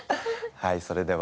はいそれでは。